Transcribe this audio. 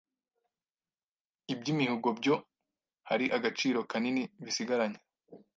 Ibyimihigo byo hari agaciro kanini bisigaranye